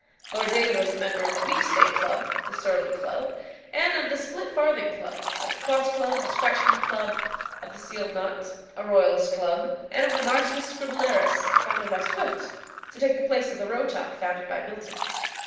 Lord David was a member of the Beefsteak Club, the Surly Club, and of the Splitfarthing Club, of the Cross Club, the Scratchpenny Club, of the Sealed Knot, a Royalist Club, and of the Martinus Scribblerus, founded by Swift, to take the place of the Rota, founded by Milton.